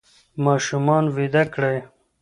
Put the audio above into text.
ماشومان ویده کړئ.